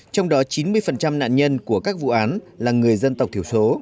trong đó chín mươi nạn nhân của các vụ án là người dân tộc thiểu số